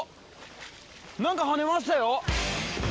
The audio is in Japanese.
何か跳ねましたよ。